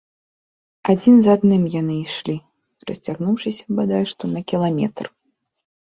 Адзін за адным яны ішлі, расцягнуўшыся бадай што на кіламетр.